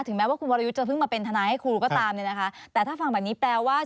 แม้ว่าคุณวรยุทธ์จะเพิ่งมาเป็นทนายให้ครูก็ตามเนี่ยนะคะแต่ถ้าฟังแบบนี้แปลว่า